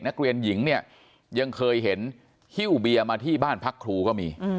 นักเรียนหญิงเนี่ยยังเคยเห็นฮิ้วเบียร์มาที่บ้านพักครูก็มี